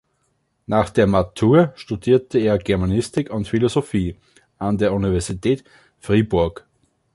Nach der Matur studierte er Germanistik und Philosophie an der Universität Fribourg.